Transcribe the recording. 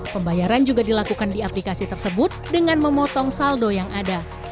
pembayaran juga dilakukan di aplikasi tersebut dengan memotong saldo yang ada